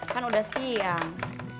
kan udah siang